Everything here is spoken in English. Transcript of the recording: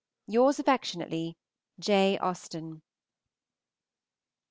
Yours affectionately, J. AUSTEN.